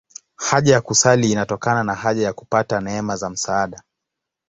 Haja ya kusali inatokana na haja ya kupata neema za msaada.